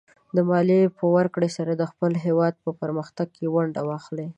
د مالیې په ورکړې سره د خپل هېواد په پرمختګ کې ونډه واخلئ.